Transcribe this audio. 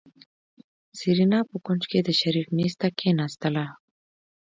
سېرېنا په کونج کې د شريف مېز ته کېناستله.